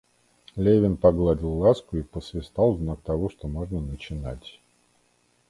Левин погладил Ласку и посвистал в знак того, что можно начинать.